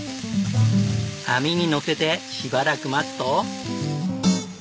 網にのせてしばらく待つと。